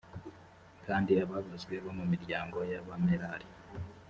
kandi ababazwe bo mu miryango y abamerari